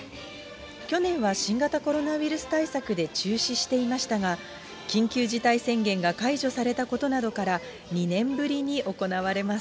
去年は新型コロナウイルス対策で中止していましたが、緊急事態宣言が解除されたことなどから、２年ぶりに行われます。